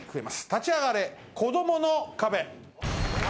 立ち上がれ子どもの壁。